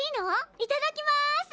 いただきます！